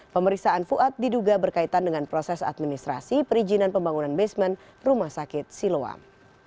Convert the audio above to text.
pemeriksaan fuad diduga berkaitan dengan proses administrasi perizinan pembangunan basement rumah sakit siloam